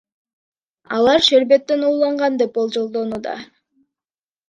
Алар шербеттен ууланган деп болжолдонууда.